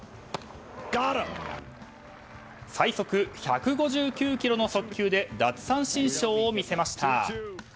最速１５９キロの速球で奪三振ショーを見せました。